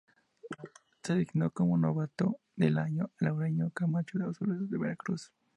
Se designó como novato del año a Laureano Camacho de los Azules de Veracruz.